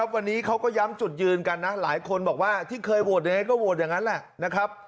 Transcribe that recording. วันนี้เขาก็ย้ำจุดยืนกันนะหลายคนบอกว่าที่เคยโหวตยังไงก็โหวตอย่างนั้นแหละนะครับ